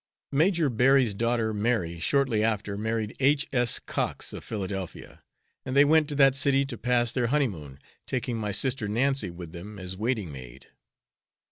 Major Berry's daughter Mary, shortly after, married H. S. Cox, of Philadelphia, and they went to that city to pass their honeymoon, taking my sister Nancy with them as waiting maid.